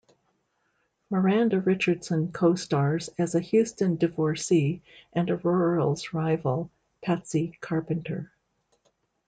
Miranda Richardson co-stars as a Houston divorcee and Aurora's rival, Patsy Carpenter.